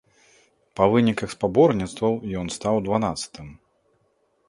Па выніках спаборніцтваў ён стаў дванаццатым.